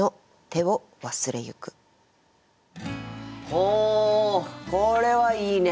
おおこれはいいね。